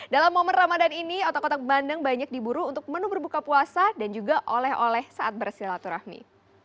dalam momen ramadan ini otak otak bandeng banyak diburu untuk menu berbuka puasa dan juga oleh oleh saat bersilaturahmi